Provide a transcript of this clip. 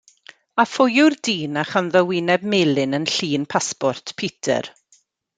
A phwy yw'r dyn a chanddo wyneb melyn yn llun pasbort Peter?